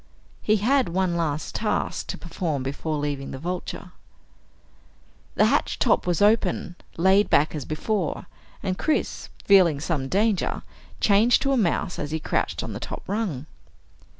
He had one last task to perform before leaving the Vulture. The hatch top was open, laid back as before, and Chris, feeling some danger, changed to a mouse as he crouched on the top rung.